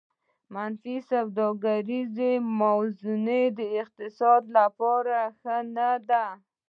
منفي سوداګریزه موازنه د اقتصاد لپاره ښه نه ده